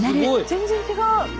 全然違う！